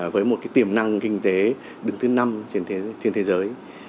với một tiềm năng kinh tế đứng thứ năm trên thế giới